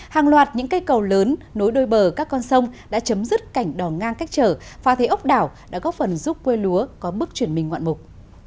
hàng loạt những cây cầu lớn nối đôi bờ các con sông đã chấm dứt cảnh đỏ ngang cách trở phá thế ốc đảo đã góp phần giúp quê lúa có bước chuyển mình ngoạn mục